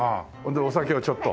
でお酒をちょっと。